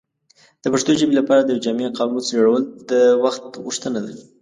د پښتو ژبې لپاره د یو جامع قاموس جوړول د وخت غوښتنه ده.